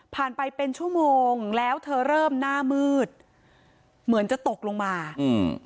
ไปเป็นชั่วโมงแล้วเธอเริ่มหน้ามืดเหมือนจะตกลงมาอืม